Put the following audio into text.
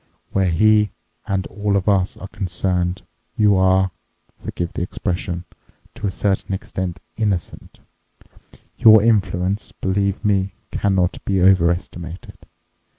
Where he and all of us are concerned you are—forgive the expression—to a certain extent innocent. Your influence, believe me, cannot be overestimated.